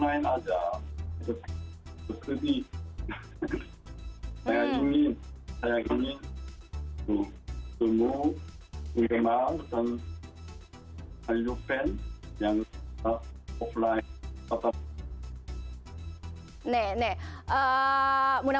untuk menemukan semua penggemar dan halusan yang terkenal di seluruh dunia